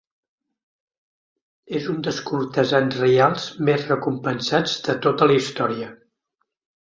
És un dels cortesans reials més recompensats de tota la història.